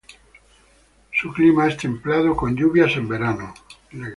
Su clima es templado con lluvias en verano.